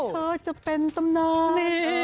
เธอจะเป็นตำนาน